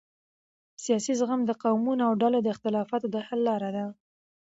سیاسي زغم د قومونو او ډلو د اختلافاتو د حل لاره ده